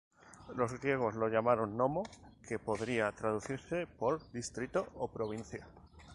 Los griegos lo llamaron nomo que podría traducirse por distrito o provincia.